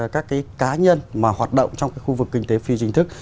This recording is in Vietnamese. các cái cá nhân mà hoạt động trong cái khu vực kinh tế phi chính thức